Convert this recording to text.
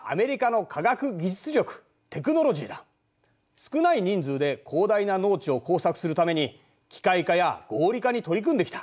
少ない人数で広大な農地を耕作するために機械化や合理化に取り組んできた。